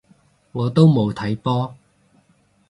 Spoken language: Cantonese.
我都冇睇波